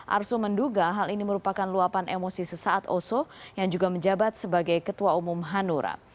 arsul menduga hal ini merupakan luapan emosi sesaat oso yang juga menjabat sebagai ketua umum hanura